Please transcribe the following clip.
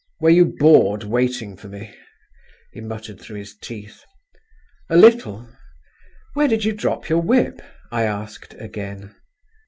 "Were you bored waiting for me?" he muttered through his teeth. "A little. Where did you drop your whip?" I asked again.